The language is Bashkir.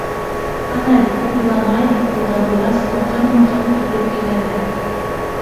Ана бит иламай ҙа, ҡулда булғас, мыҡыр-мыҡыр итеп кинәнә.